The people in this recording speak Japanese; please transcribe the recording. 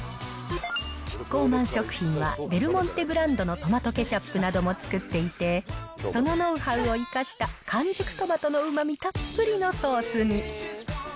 キッコーマン食品は、デルモンテブランドのトマトケチャップなども作っていて、そのノウハウを生かした完熟トマトのうまみたっぷりのソースに。